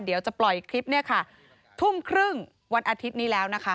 เดี๋ยวจะปล่อยคลิปเนี่ยค่ะทุ่มครึ่งวันอาทิตย์นี้แล้วนะคะ